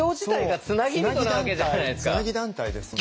つなぎ団体ですもんね。